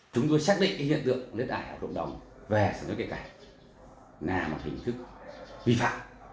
chúng tôi xác định hiện tượng lấy đất ải ở độc đồng về sản xuất cây cải là một hình thức vi phạm